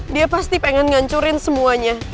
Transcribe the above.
dia pasti pengen ngancurin semuanya